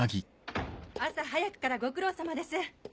朝早くからご苦労さまです。